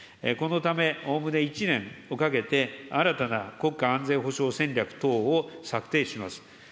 このため、おおむね１年をかけて、新たな国家安全保障戦略等を策定します。